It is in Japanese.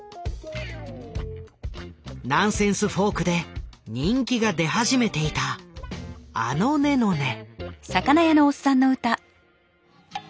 ナンセンスフォークで人気が出始めていたあのねのね。